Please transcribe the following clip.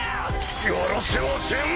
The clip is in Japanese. やらせはせん！